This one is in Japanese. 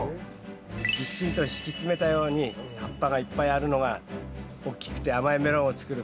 ぎっしりと敷き詰めたように葉っぱがいっぱいあるのが大きくて甘いメロンを作るポイントなんだよ。